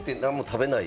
食べたい！